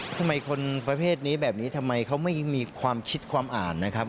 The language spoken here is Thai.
ทำไมคนประเภทนี้แบบนี้ทำไมเขาไม่มีความคิดความอ่านนะครับ